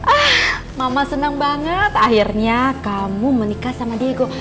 ah mama senang banget akhirnya kamu menikah sama diego